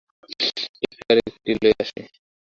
একটি আর একটিকে লইয়া আসে।